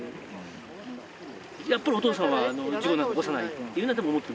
やっぱりお父さんは事故なんか起こさないっていうのは思って。